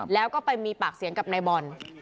แล้วก็ไปมีปากเสียงกับนายบอล